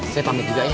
saya pamit juga ya